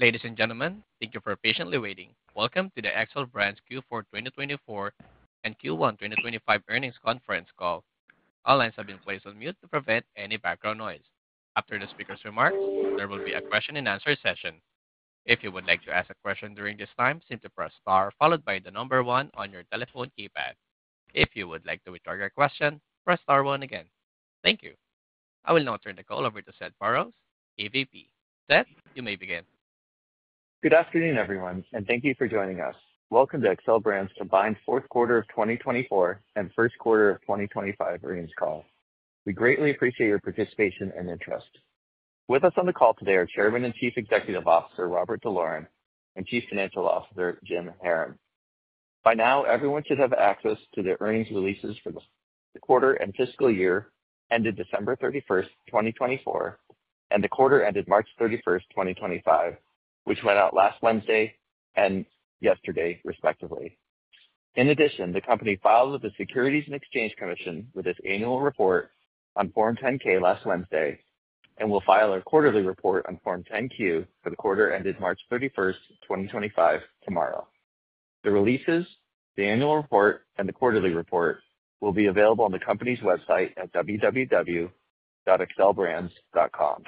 Ladies and gentlemen, thank you for patiently waiting. Welcome to the Xcel Brands Q4 2024 and Q1 2025 earnings conference call. All lines have been placed on mute to prevent any background noise. After the speaker's remarks, there will be a question-and-answer session. If you would like to ask a question during this time, simply press star followed by the number one on your telephone keypad. If you would like to withdraw your question, press star one again. Thank you. I will now turn the call over to Seth Burroughs, EVP. Seth, you may begin. Good afternoon, everyone, and thank you for joining us. Welcome to Xcel Brands' combined fourth quarter of 2024 and first quarter of 2025 earnings call. We greatly appreciate your participation and interest. With us on the call today are Chairman and Chief Executive Officer Robert D'Loren and Chief Financial Officer Jim Haran. By now, everyone should have access to the earnings releases for the quarter and fiscal year ended December 31, 2024, and the quarter ended March 31, 2025, which went out last Wednesday and yesterday, respectively. In addition, the company filed with the Securities and Exchange Commission its annual report on Form 10-K last Wednesday and will file a quarterly report on Form 10-Q for the quarter ended March 31, 2025, tomorrow. The releases, the annual report, and the quarterly report will be available on the company's website at www.xcelbrands.com.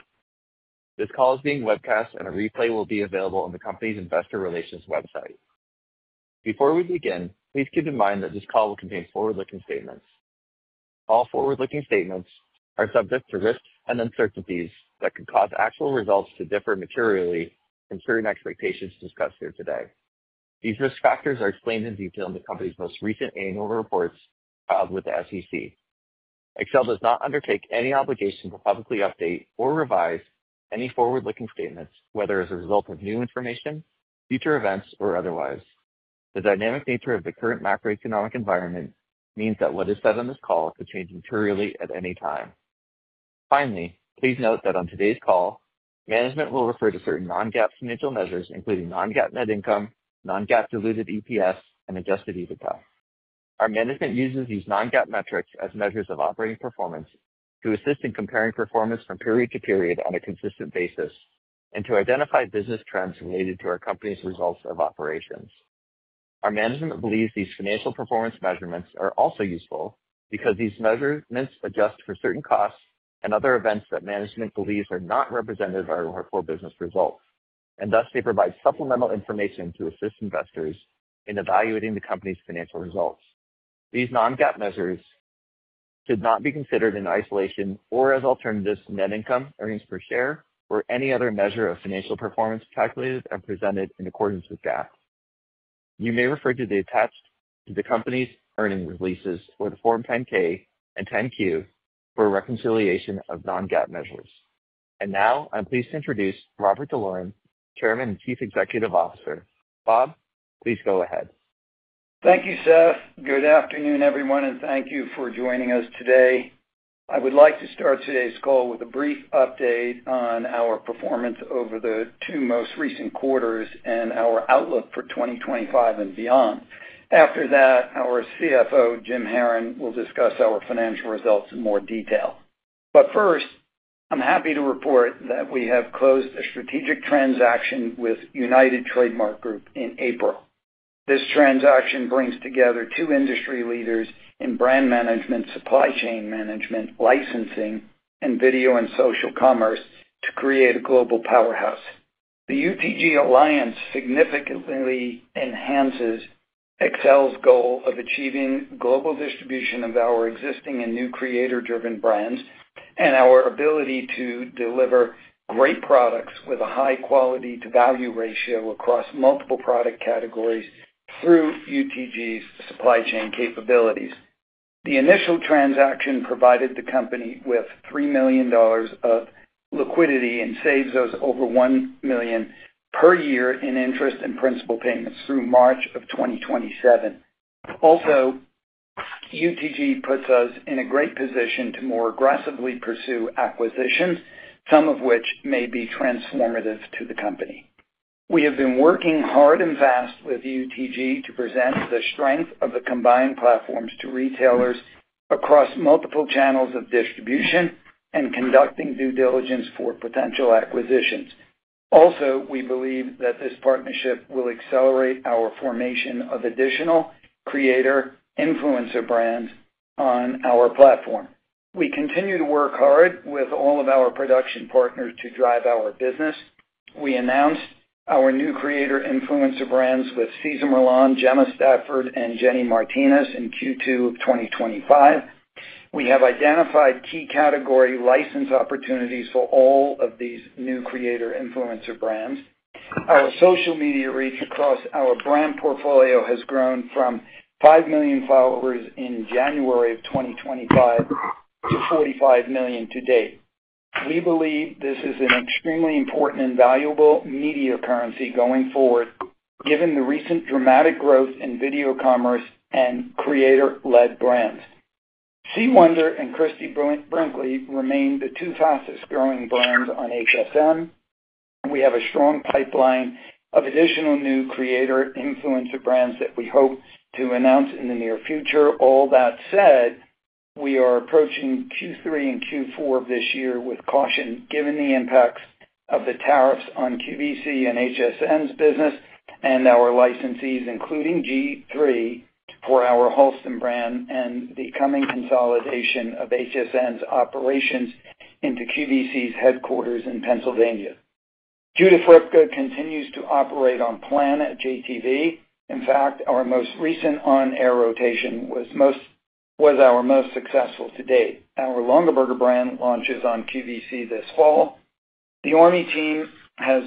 This call is being webcast, and a replay will be available on the company's investor relations website. Before we begin, please keep in mind that this call will contain forward-looking statements. All forward-looking statements are subject to risks and uncertainties that could cause actual results to differ materially from certain expectations discussed here today. These risk factors are explained in detail in the company's most recent annual reports filed with the SEC. Xcel does not undertake any obligation to publicly update or revise any forward-looking statements, whether as a result of new information, future events, or otherwise. The dynamic nature of the current macroeconomic environment means that what is said on this call could change materially at any time. Finally, please note that on today's call, management will refer to certain non-GAAP financial measures, including non-GAAP net income, non-GAAP diluted EPS, and adjusted EBITDA. Our management uses these non-GAAP metrics as measures of operating performance to assist in comparing performance from period to period on a consistent basis and to identify business trends related to our company's results of operations. Our management believes these financial performance measurements are also useful because these measurements adjust for certain costs and other events that management believes are not representative of our core business results, and thus they provide supplemental information to assist investors in evaluating the company's financial results. These non-GAAP measures should not be considered in isolation or as alternatives to net income, earnings per share, or any other measure of financial performance calculated and presented in accordance with GAAP. You may refer to the attached to the company's earnings releases for the Form 10-K and 10-Q for reconciliation of non-GAAP measures. I am pleased to introduce Robert D'Loren, Chairman and Chief Executive Officer. Bob, please go ahead. Thank you, Seth. Good afternoon, everyone, and thank you for joining us today. I would like to start today's call with a brief update on our performance over the two most recent quarters and our outlook for 2025 and beyond. After that, our CFO, Jim Haran, will discuss our financial results in more detail. First, I'm happy to report that we have closed a strategic transaction with United Trademark Group in April. This transaction brings together two industry leaders in brand management, supply chain management, licensing, and video and social commerce to create a global powerhouse. The UTG Alliance significantly enhances Xcel's goal of achieving global distribution of our existing and new creator-driven brands and our ability to deliver great products with a high quality-to-value ratio across multiple product categories through UTG's supply chain capabilities. The initial transaction provided the company with $3 million of liquidity and saves us over $1 million per year in interest and principal payments through March of 2027. Also, UTG puts us in a great position to more aggressively pursue acquisitions, some of which may be transformative to the company. We have been working hard and fast with UTG to present the strength of the combined platforms to retailers across multiple channels of distribution and conducting due diligence for potential acquisitions. Also, we believe that this partnership will accelerate our formation of additional creator-influencer brands on our platform. We continue to work hard with all of our production partners to drive our business. We announced our new creator-influencer brands with Cesar Millan, Gemma Stafford, and Jenny Martinez in Q2 of 2025. We have identified key category license opportunities for all of these new creator-influencer brands. Our social media reach across our brand portfolio has grown from 5 million followers in January of 2025 to 45 million to date. We believe this is an extremely important and valuable media currency going forward, given the recent dramatic growth in video commerce and creator-led brands. Sea Wonder and Christie Brinkley remain the two fastest-growing brands on HSN. We have a strong pipeline of additional new creator-influencer brands that we hope to announce in the near future. All that said, we are approaching Q3 and Q4 of this year with caution given the impacts of the tariffs on QVC and HSN's business and our licensees, including G3 for our Halston brand and the coming consolidation of HSN's operations into QVC's headquarters in Pennsylvania. Judith Ripka continues to operate on plan at JTV. In fact, our most recent on-air rotation was our most successful to date. Our Longaberger brand launches on QVC this fall. The Army team has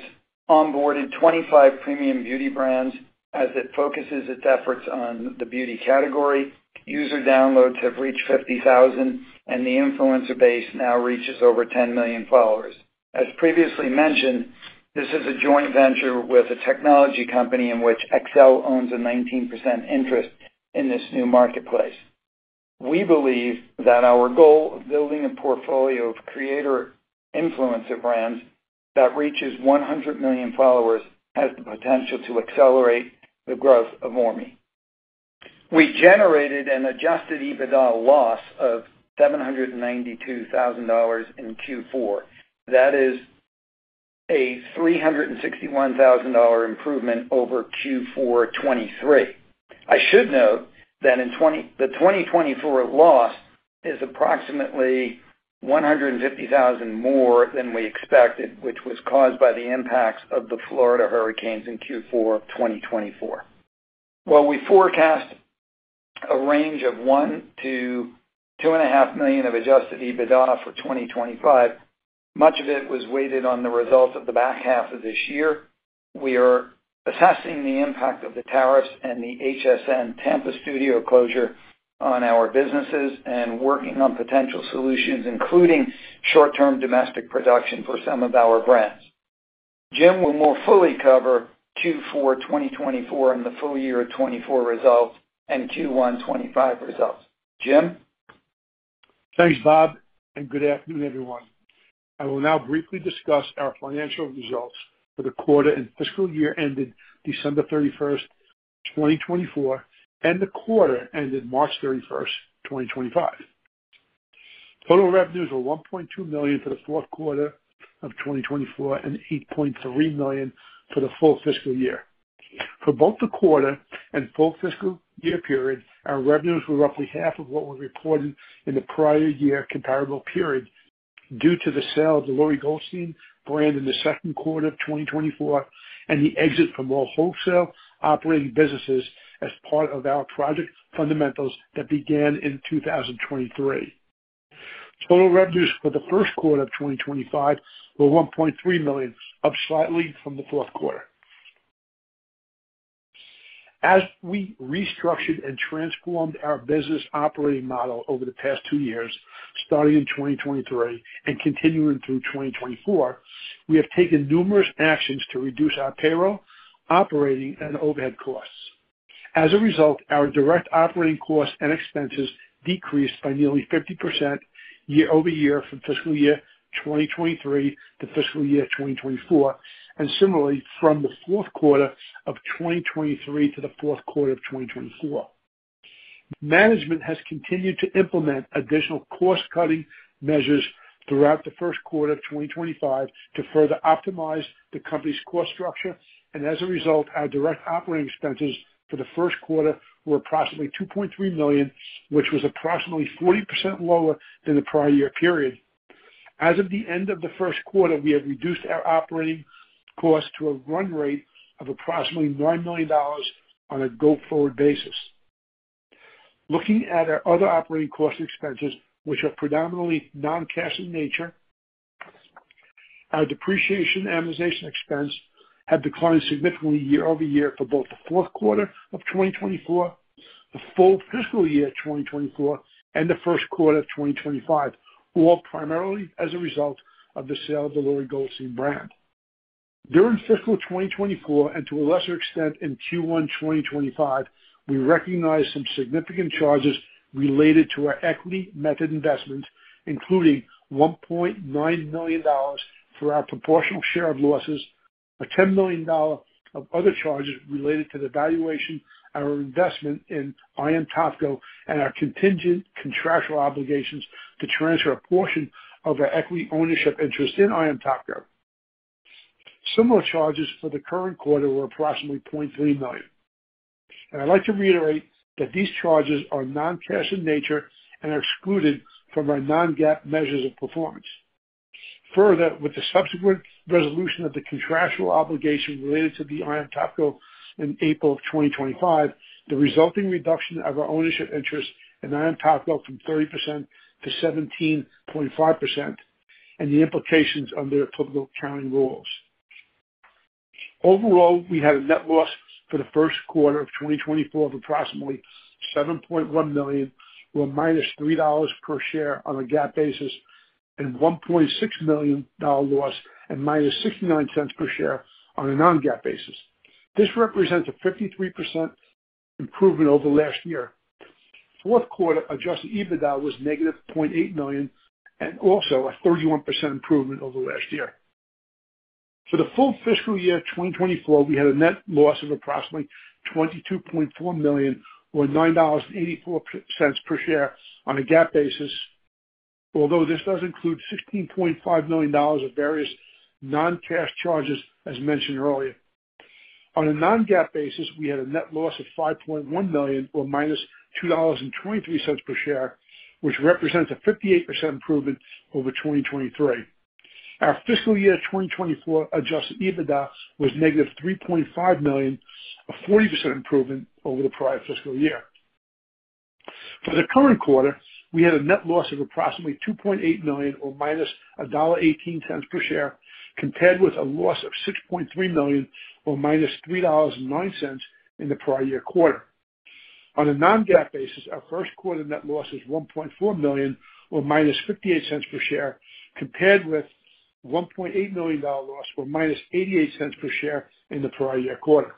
onboarded 25 premium beauty brands as it focuses its efforts on the beauty category. User downloads have reached 50,000, and the influencer base now reaches over 10 million followers. As previously mentioned, this is a joint venture with a technology company in which Xcel owns a 19% interest in this new marketplace. We believe that our goal of building a portfolio of creator-influencer brands that reaches 100 million followers has the potential to accelerate the growth of Army. We generated an adjusted EBITDA loss of $792,000 in Q4. That is a $361,000 improvement over Q4 2023. I should note that the 2024 loss is approximately $150,000 more than we expected, which was caused by the impacts of the Florida hurricanes in Q4 2024. While we forecast a range of $1 million-$2.5 million of adjusted EBITDA for 2025, much of it was weighted on the result of the back half of this year. We are assessing the impact of the tariffs and the HSN Tampa studio closure on our businesses and working on potential solutions, including short-term domestic production for some of our brands. Jim will more fully cover Q4 2024 and the full year 2024 results and Q1 2025 results. Jim. Thanks, Bob, and good afternoon, everyone. I will now briefly discuss our financial results for the quarter and fiscal year ended December 31, 2024, and the quarter ended March 31, 2025. Total revenues were $1.2 million for the fourth quarter of 2024 and $8.3 million for the full fiscal year. For both the quarter and full fiscal year period, our revenues were roughly half of what were reported in the prior year comparable period due to the sale of the Laurie Goldstein brand in the second quarter of 2024 and the exit from all wholesale operating businesses as part of our project fundamentals that began in 2023. Total revenues for the first quarter of 2025 were $1.3 million, up slightly from the fourth quarter. As we restructured and transformed our business operating model over the past two years, starting in 2023 and continuing through 2024, we have taken numerous actions to reduce our payroll, operating, and overhead costs. As a result, our direct operating costs and expenses decreased by nearly 50% year over year from fiscal year 2023 to fiscal year 2024, and similarly from the fourth quarter of 2023 to the fourth quarter of 2024. Management has continued to implement additional cost-cutting measures throughout the first quarter of 2025 to further optimize the company's cost structure, and as a result, our direct operating expenses for the first quarter were approximately $2.3 million, which was approximately 40% lower than the prior year period. As of the end of the first quarter, we have reduced our operating costs to a run rate of approximately $9 million on a go-forward basis. Looking at our other operating cost expenses, which are predominantly non-cash in nature, our depreciation amortization expense had declined significantly year over year for both the fourth quarter of 2024, the full fiscal year 2024, and the first quarter of 2025, all primarily as a result of the sale of the Laurie Goldstein brand. During fiscal 2024 and to a lesser extent in Q1 2025, we recognized some significant charges related to our equity method investments, including $1.9 million for our proportional share of losses, $10 million of other charges related to the valuation, our investment in Ion Topco, and our contingent contractual obligations to transfer a portion of our equity ownership interest in Ion Topco. Similar charges for the current quarter were approximately $0.3 million. I would like to reiterate that these charges are non-cash in nature and are excluded from our non-GAAP measures of performance. Further, with the subsequent resolution of the contractual obligation related to the Ion Topco in April of 2025, the resulting reduction of our ownership interest in Ion Topco from 30% to 17.5% and the implications under applicable accounting rules. Overall, we had a net loss for the first quarter of 2024 of approximately $7.1 million, or minus $3 per share on a GAAP basis, and $1.6 million loss and minus $0.69 per share on a non-GAAP basis. This represents a 53% improvement over last year. Fourth quarter adjusted EBITDA was negative $0.8 million, and also a 31% improvement over last year. For the full fiscal year 2024, we had a net loss of approximately $22.4 million, or $9.84 per share on a GAAP basis, although this does include $16.5 million of various non-cash charges, as mentioned earlier. On a non-GAAP basis, we had a net loss of $5.1 million, or minus $2.23 per share, which represents a 58% improvement over 2023. Our fiscal year 2024 adjusted EBITDA was negative $3.5 million, a 40% improvement over the prior fiscal year. For the current quarter, we had a net loss of approximately $2.8 million, or minus $1.18 per share, compared with a loss of $6.3 million, or minus $3.09 in the prior year quarter. On a non-GAAP basis, our first quarter net loss is $1.4 million, or minus $0.58 per share, compared with a $1.8 million loss, or minus $0.88 per share in the prior year quarter.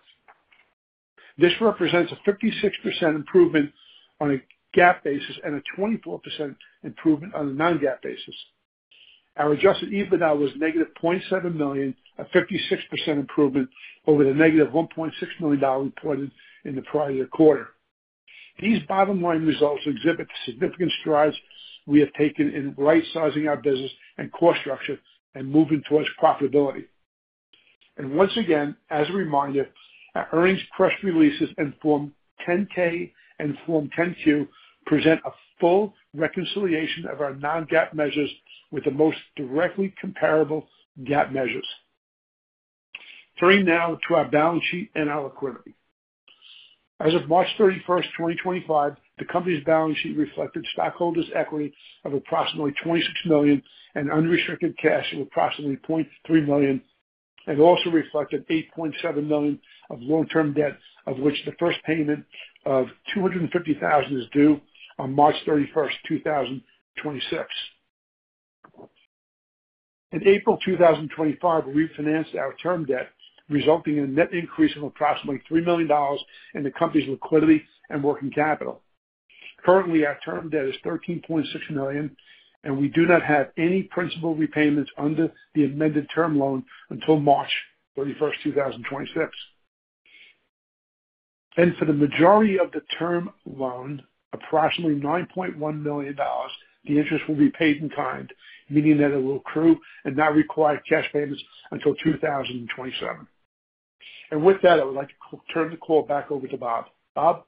This represents a 56% improvement on a GAAP basis and a 24% improvement on a non-GAAP basis. Our adjusted EBITDA was negative $0.7 million, a 56% improvement over the negative $1.6 million reported in the prior year quarter. These bottom-line results exhibit the significant strides we have taken in right-sizing our business and cost structure and moving towards profitability. As a reminder, our earnings press releases in Form 10-K and Form 10-Q present a full reconciliation of our non-GAAP measures with the most directly comparable GAAP measures. Turning now to our balance sheet and our liquidity. As of March 31, 2025, the company's balance sheet reflected stockholders' equity of approximately $26 million and unrestricted cash of approximately $0.3 million, and also reflected $8.7 million of long-term debt, of which the first payment of $250,000 is due on March 31, 2026. In April 2025, we refinanced our term debt, resulting in a net increase of approximately $3 million in the company's liquidity and working capital. Currently, our term debt is $13.6 million, and we do not have any principal repayments under the amended term loan until March 31, 2026. For the majority of the term loan, approximately $9.1 million, the interest will be paid in kind, meaning that it will accrue and not require cash payments until 2027. With that, I would like to turn the call back over to Bob. Bob?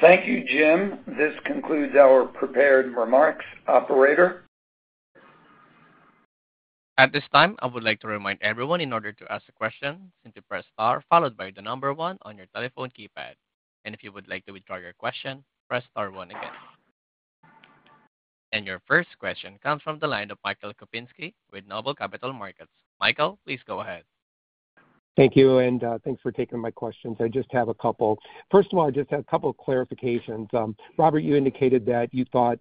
Thank you, Jim. This concludes our prepared remarks, Operator. At this time, I would like to remind everyone in order to ask a question to press star followed by the number one on your telephone keypad. If you would like to withdraw your question, press star one again. Your first question comes from the line of Michael Kupinski with Noble Capital Markets. Michael, please go ahead. Thank you, and thanks for taking my questions. I just have a couple. First of all, I just have a couple of clarifications. Robert, you indicated that you thought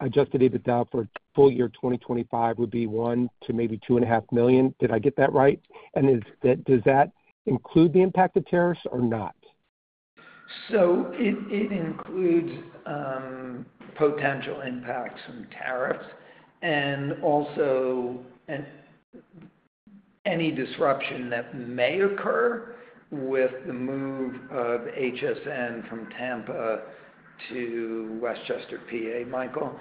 adjusted EBITDA for full year 2025 would be $1 million to maybe $2.5 million. Did I get that right? And does that include the impact of tariffs or not? It includes potential impacts from tariffs and also any disruption that may occur with the move of HSN from Tampa to West Chester, PA. Michael,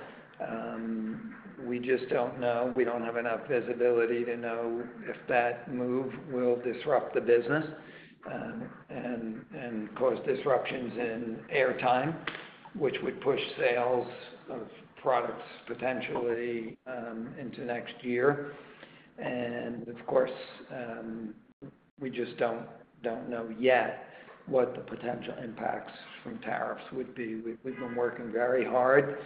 we just do not know. We do not have enough visibility to know if that move will disrupt the business and cause disruptions in airtime, which would push sales of products potentially into next year. Of course, we just do not know yet what the potential impacts from tariffs would be. We have been working very hard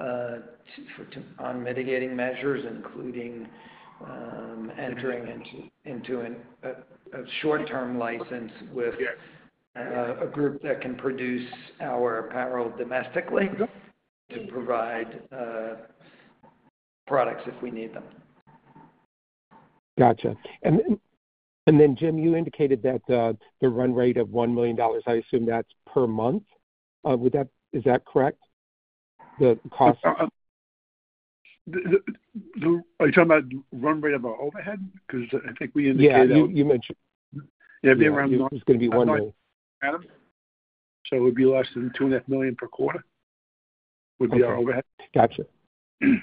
on mitigating measures, including entering into a short-term license with a group that can produce our apparel domestically to provide products if we need them. Gotcha. Jim, you indicated that the run rate of $1 million, I assume that's per month. Is that correct? The cost? Are you talking about run rate of our overhead? Because I think we indicated. Yeah, you mentioned. It'd be around. It's going to be $1 million. Adam, so it would be less than $2.5 million per quarter would be our overhead. Gotcha.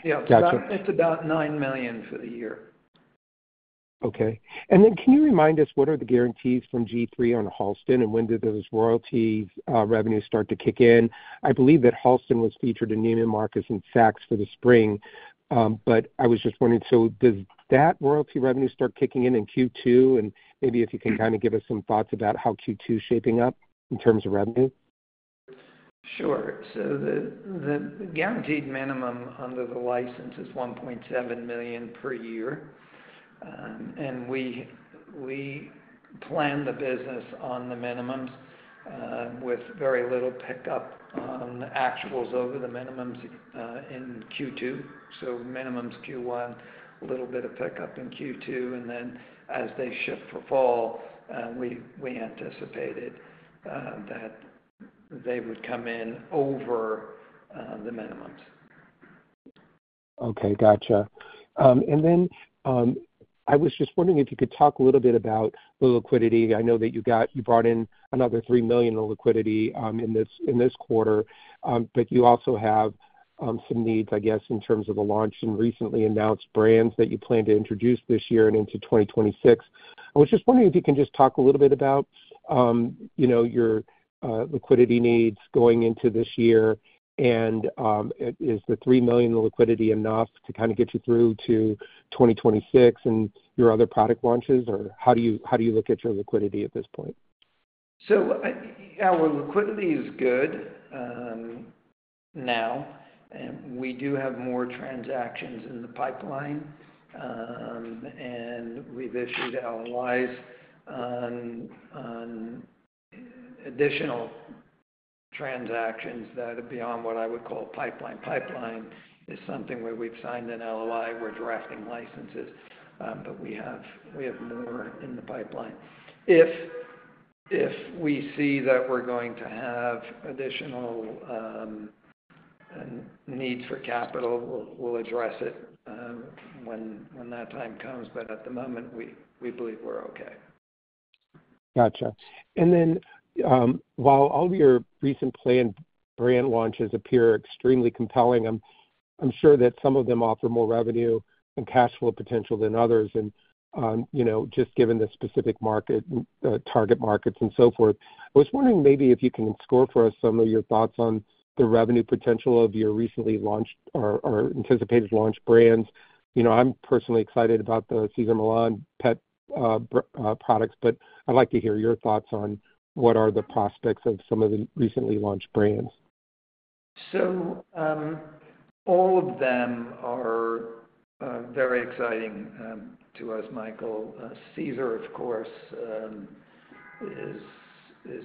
Yeah, it's about $9 million for the year. Okay. Can you remind us what are the guarantees from G3 on Halston and when do those royalty revenues start to kick in? I believe that Halston was featured in Neiman Marcus and Saks for the spring, but I was just wondering, does that royalty revenue start kicking in in Q2? Maybe if you can kind of give us some thoughts about how Q2 is shaping up in terms of revenue. Sure. The guaranteed minimum under the license is $1.7 million per year. We plan the business on the minimums with very little pickup on actuals over the minimums in Q2. Minimums Q1, a little bit of pickup in Q2. As they shift for fall, we anticipated that they would come in over the minimums. Okay, gotcha. I was just wondering if you could talk a little bit about the liquidity. I know that you brought in another $3 million in liquidity in this quarter, but you also have some needs, I guess, in terms of the launch and recently announced brands that you plan to introduce this year and into 2026. I was just wondering if you can just talk a little bit about your liquidity needs going into this year. Is the $3 million in liquidity enough to kind of get you through to 2026 and your other product launches? How do you look at your liquidity at this point? Our liquidity is good now. We do have more transactions in the pipeline, and we've issued LOIs on additional transactions that are beyond what I would call pipeline. Pipeline is something where we've signed an LOI. We're drafting licenses, but we have more in the pipeline. If we see that we're going to have additional needs for capital, we'll address it when that time comes. At the moment, we believe we're okay. Gotcha. While all your recent planned brand launches appear extremely compelling, I'm sure that some of them offer more revenue and cash flow potential than others. Just given the specific market, target markets, and so forth, I was wondering maybe if you can score for us some of your thoughts on the revenue potential of your recently launched or anticipated launch brands. I'm personally excited about the Cesar Millan pet products, but I'd like to hear your thoughts on what are the prospects of some of the recently launched brands. All of them are very exciting to us, Michael. Cesar, of course, is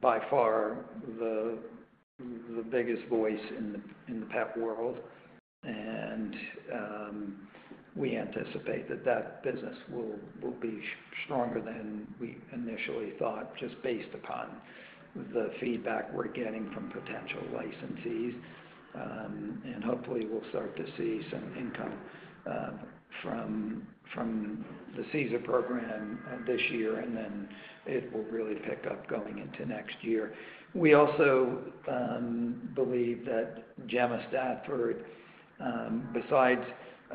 by far the biggest voice in the pet world. We anticipate that that business will be stronger than we initially thought, just based upon the feedback we're getting from potential licensees. Hopefully, we'll start to see some income from the Cesar program this year, and then it will really pick up going into next year. We also believe that Gemma Stafford, besides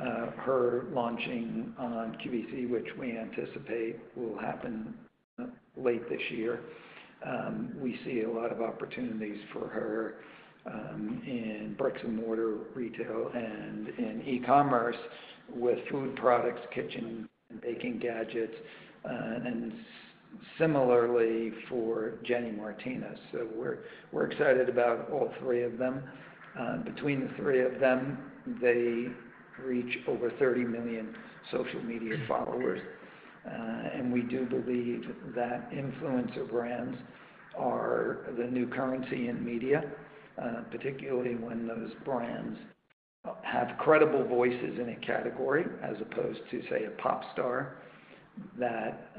her launching on QVC, which we anticipate will happen late this year, we see a lot of opportunities for her in bricks and mortar retail and in e-commerce with food products, kitchen and baking gadgets, and similarly for Jenny Martinez. We're excited about all three of them. Between the three of them, they reach over 30 million social media followers. We do believe that influencer brands are the new currency in media, particularly when those brands have credible voices in a category as opposed to, say, a pop star that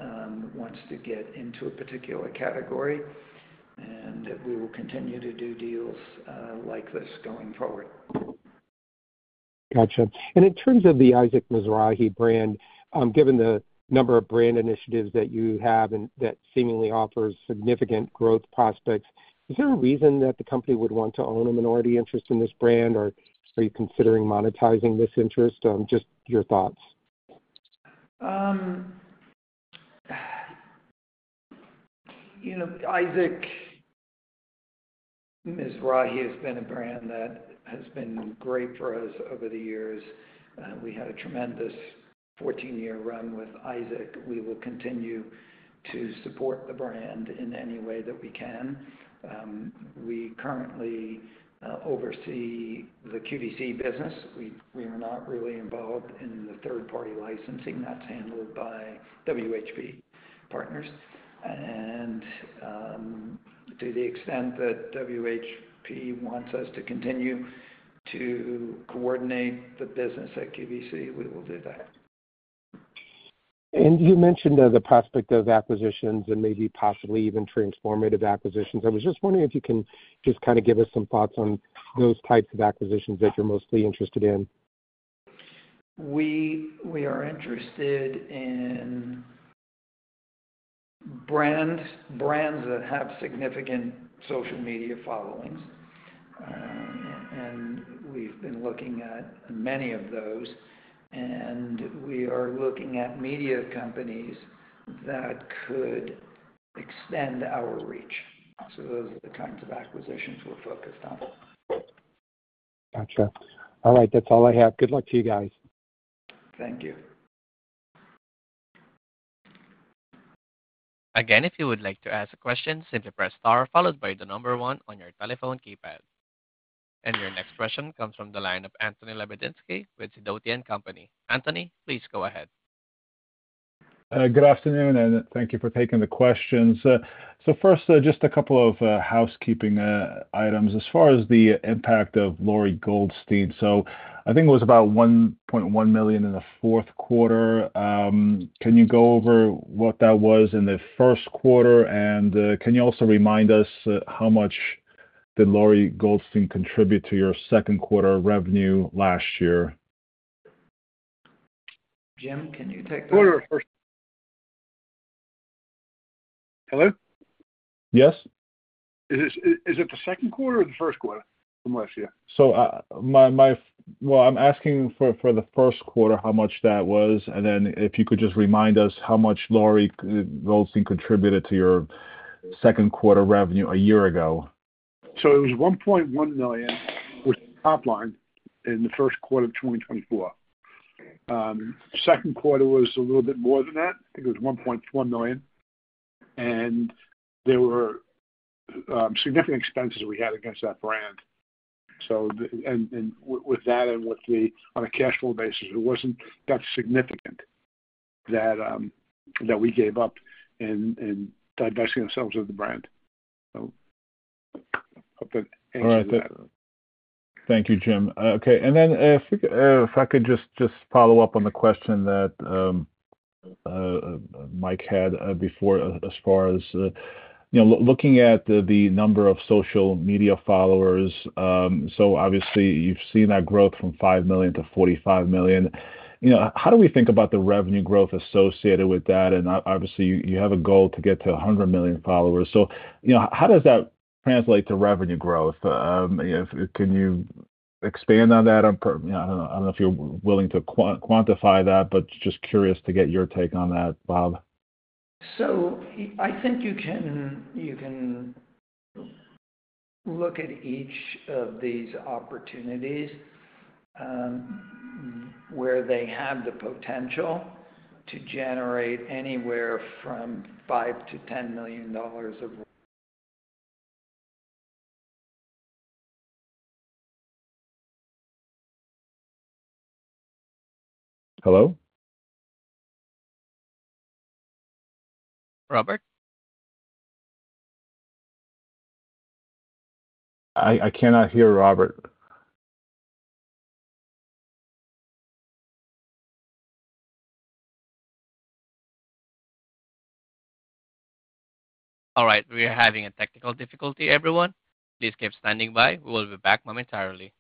wants to get into a particular category. We will continue to do deals like this going forward. Gotcha. In terms of the Isaac Mizrahi brand, given the number of brand initiatives that you have and that seemingly offers significant growth prospects, is there a reason that the company would want to own a minority interest in this brand, or are you considering monetizing this interest? Just your thoughts. Isaac Mizrahi has been a brand that has been great for us over the years. We had a tremendous 14-year run with Isaac. We will continue to support the brand in any way that we can. We currently oversee the QVC business. We are not really involved in the third-party licensing. That is handled by WHP Partners. To the extent that WHP wants us to continue to coordinate the business at QVC, we will do that. You mentioned the prospect of acquisitions and maybe possibly even transformative acquisitions. I was just wondering if you can just kind of give us some thoughts on those types of acquisitions that you're mostly interested in. We are interested in brands that have significant social media followings. We have been looking at many of those. We are looking at media companies that could extend our reach. Those are the kinds of acquisitions we are focused on. Gotcha. All right. That's all I have. Good luck to you guys. Thank you. Again, if you would like to ask a question, simply press star followed by the number one on your telephone keypad. Your next question comes from the line of Anthony Lebiedzinski with Sidoti & Company. Anthony, please go ahead. Good afternoon, and thank you for taking the questions. First, just a couple of housekeeping items. As far as the impact of Lori Goldstein, I think it was about $1.1 million in the fourth quarter. Can you go over what that was in the first quarter? Can you also remind us how much did Lori Goldstein contribute to your second quarter revenue last year? Jim, can you take that? Hello? Yes? Is it the second quarter or the first quarter from last year? I'm asking for the first quarter how much that was. And then if you could just remind us how much Lori Goldstein contributed to your second quarter revenue a year ago. It was $1.1 million with top line in the first quarter of 2024. Second quarter was a little bit more than that. I think it was $1.1 million. There were significant expenses we had against that brand. With that and on a cash flow basis, it was not that significant that we gave up in divesting ourselves of the brand. All right. Thank you, Jim. Okay. If I could just follow up on the question that Mike had before as far as looking at the number of social media followers. Obviously, you've seen that growth from $5 million to $45 million. How do we think about the revenue growth associated with that? Obviously, you have a goal to get to $100 million followers. How does that translate to revenue growth? Can you expand on that? I do not know if you're willing to quantify that, but just curious to get your take on that, Bob. I think you can look at each of these opportunities where they have the potential to generate anywhere from $5 million to $10 million. Hello? Robert? I cannot hear Robert. All right. We are having a technical difficulty, everyone. Please keep standing by. We will be back momentarily.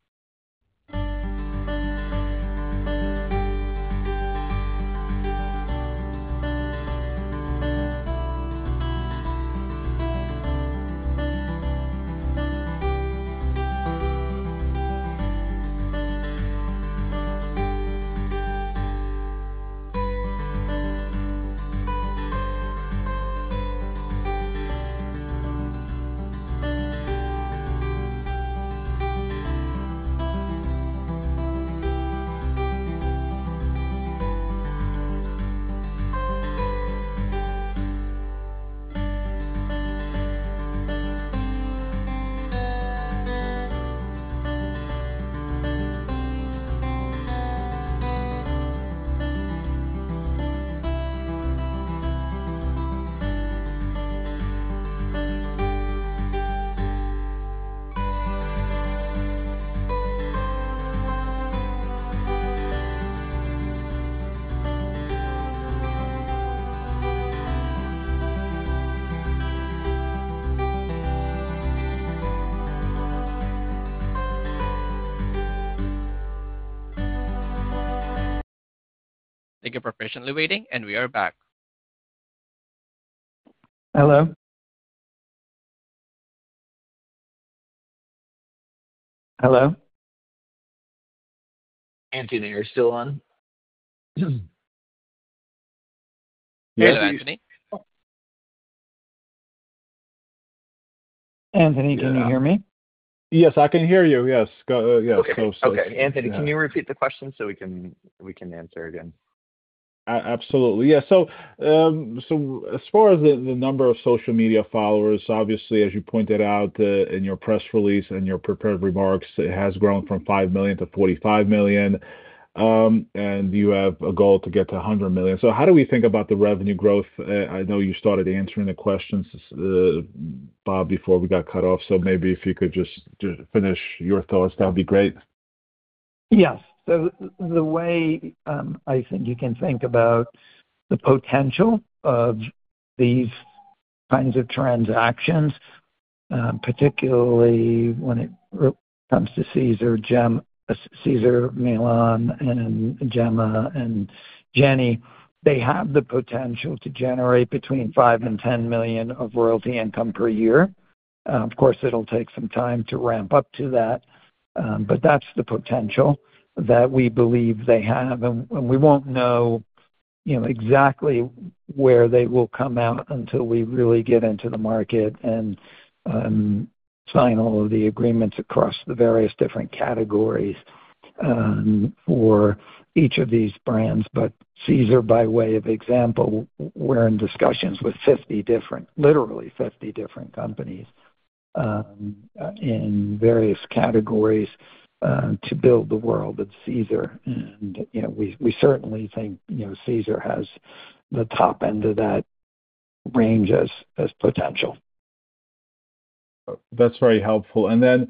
Thank you for patiently waiting, and we are back. Hello? Hello? Anthony, are you still on? Yes, Anthony? Anthony, can you hear me? Yes, I can hear you. Yes. Yes. Okay. Anthony, can you repeat the question so we can answer again? Absolutely. Yeah. As far as the number of social media followers, obviously, as you pointed out in your press release and your prepared remarks, it has grown from $5 million to $45 million. You have a goal to get to $100 million. How do we think about the revenue growth? I know you started answering the questions, Bob, before we got cut off. Maybe if you could just finish your thoughts, that would be great. Yes. So the way I think you can think about the potential of these kinds of transactions, particularly when it comes to Cesar Millan and Gemma and Jenny, they have the potential to generate between $5 million and $10 million of royalty income per year. Of course, it'll take some time to ramp up to that. But that's the potential that we believe they have. And we won't know exactly where they will come out until we really get into the market and sign all of the agreements across the various different categories for each of these brands. But Cesar, by way of example, we're in discussions with literally 50 different companies in various categories to build the world of Cesar. And we certainly think Cesar has the top end of that range as potential. That's very helpful. I know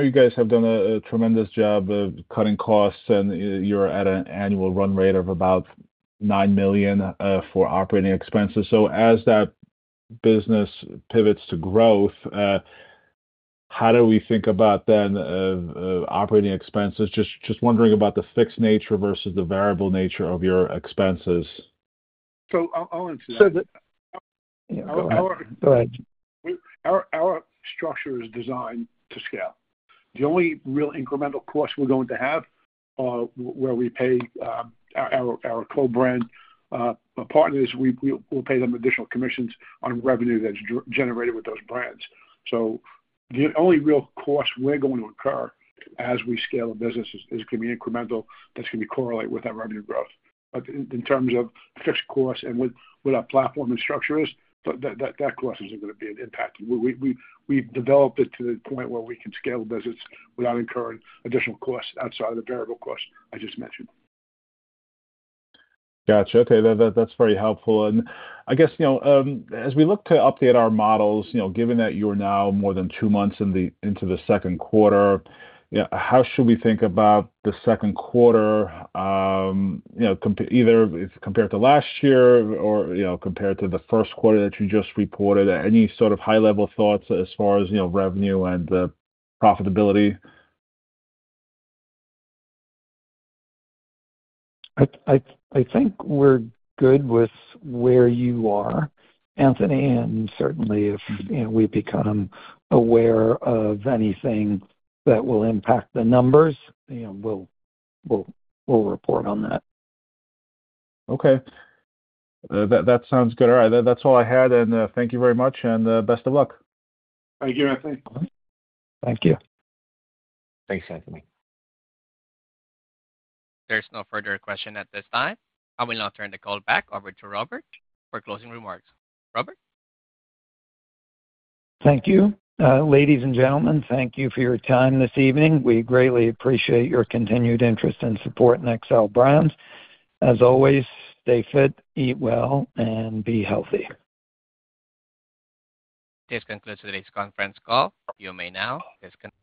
you guys have done a tremendous job of cutting costs, and you're at an annual run rate of about $9 million for operating expenses. As that business pivots to growth, how do we think about then operating expenses? Just wondering about the fixed nature versus the variable nature of your expenses. I'll answer that. So our. Go ahead. Our structure is designed to scale. The only real incremental cost we're going to have where we pay our co-brand partners, we'll pay them additional commissions on revenue that's generated with those brands. The only real cost we're going to incur as we scale a business is going to be incremental that's going to correlate with our revenue growth. In terms of fixed costs and what our platform and structure is, that cost isn't going to be an impact. We've developed it to the point where we can scale business without incurring additional costs outside of the variable costs I just mentioned. Gotcha. Okay. That's very helpful. I guess as we look to update our models, given that you're now more than two months into the second quarter, how should we think about the second quarter, either compared to last year or compared to the first quarter that you just reported? Any sort of high-level thoughts as far as revenue and profitability? I think we're good with where you are, Anthony. Certainly, if we become aware of anything that will impact the numbers, we'll report on that. Okay. That sounds good. All right. That is all I had. Thank you very much. Best of luck. Thank you, Anthony. Thank you. Thanks, Anthony. There's no further question at this time. I will now turn the call back over to Robert for closing remarks. Robert? Thank you. Ladies and gentlemen, thank you for your time this evening. We greatly appreciate your continued interest and support in Xcel Brands. As always, stay fit, eat well, and be healthy. This concludes today's conference call. You may now disconnect.